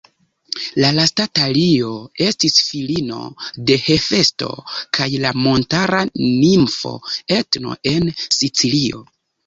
La lasta Talio estis filino de Hefesto kaj la montara nimfo Etno, en Sicilio.